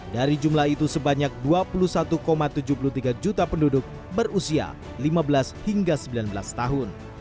dari jumlah itu sebanyak dua puluh satu tujuh puluh tiga juta penduduk berusia lima belas hingga sembilan belas tahun